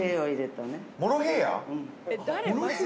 モロヘイヤ？